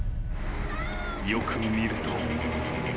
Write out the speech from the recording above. ［よく見ると］